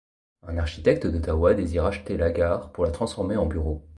Un architecte d'Ottawa désire acheter la gare pour la transformer en bureaux.